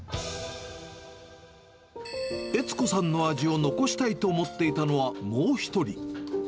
悦子さんの味を残したいと思っていたのは、もう１人。